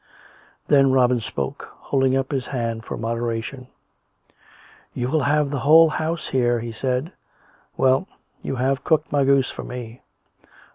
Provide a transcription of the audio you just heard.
Then Robin spoke, holding up his hand for moderation. " You will have the whole house here," he said. " Well, you have cooked my goose for me."